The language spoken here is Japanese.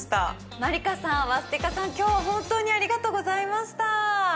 マリカさん、ワスティカさん、きょうは本当にありがとうございました。